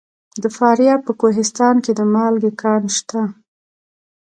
د فاریاب په کوهستان کې د مالګې کان شته.